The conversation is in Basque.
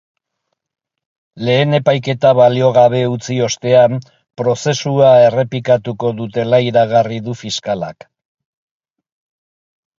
Lehen epaiketa baliogabe utzi ostean, prozesua errepikatuko dutela iragarri du fiskalak.